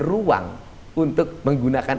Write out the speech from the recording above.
ruang untuk menggunakan